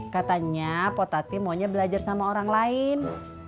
katanya potati maunya belajar sama orang lain